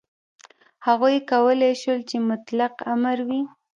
هغوی کولای شول چې مطلق امر وي.